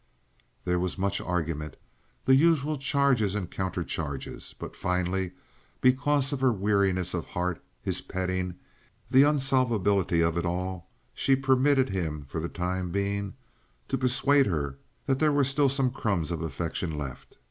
There was much argument—the usual charges and countercharges—but, finally, because of her weariness of heart, his petting, the unsolvability of it all, she permitted him for the time being to persuade her that there were still some crumbs of affection left.